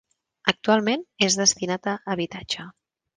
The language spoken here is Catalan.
Actualment, és destinat a habitatge.